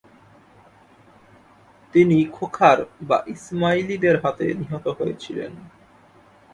তিনি খোখার বা ইসমাইলিদের হাতে নিহত হয়েছিলেন।